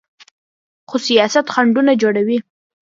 خو سیاست خنډونه جوړوي.